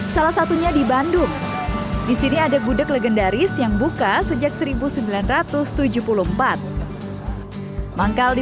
salah satunya di bandung disini ada gudeg legendaris yang buka sejak seribu sembilan ratus tujuh puluh empat manggal di